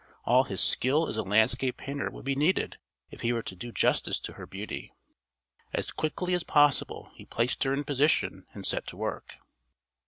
All his skill as a landscape painter would be needed if he were to do justice to her beauty. As quickly as possible he placed her in position and set to work....